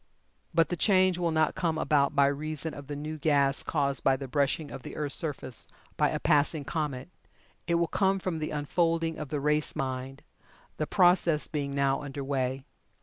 But the change will not come about by reason of the new gas caused by the brushing of the earth's surface by a passing comet. It will come from the unfolding of the race mind, the process being now under way.